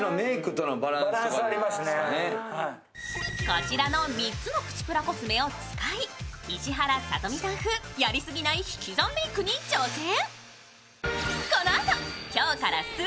こちらの３つのプチプラコスメを使い、石原さとみさん風やりすぎない引き算メークに挑戦。